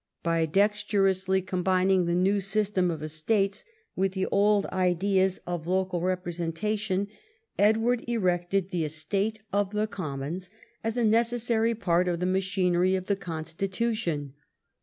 By dexterously combining the new system of estates with the old ideas of local representation, Edward erected the estate of the commons as a neces sary part of the machinery of the constitution.